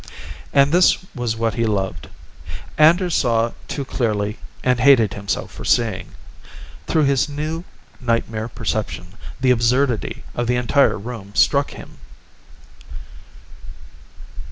And this was what he loved. Anders saw too clearly and hated himself for seeing. Through his new nightmare perception, the absurdity of the entire room struck him.